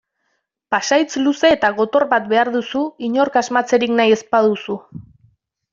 Pasahitz luze eta gotor bat behar duzu inork asmatzerik nahi ez baduzu.